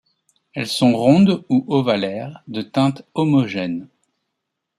Elles sont rondes ou ovalaires, de teinte homogène.